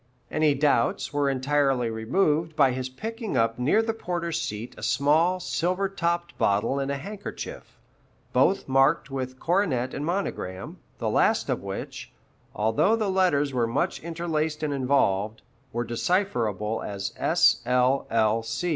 Any doubts were entirely removed by his picking up near the porter's seat a small silver topped bottle and a handkerchief, both marked with coronet and monogram, the last of which, although the letters were much interlaced and involved, were decipherable as S.L.L.